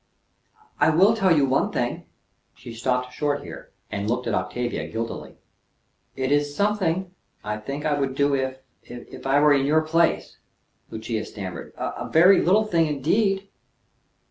I will tell you one thing." She stopped short here, and looked at Octavia guiltily. "It is something I think I would do if if I were in your place," Lucia stammered. "A very little thing indeed."